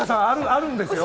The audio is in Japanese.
あるんですよ！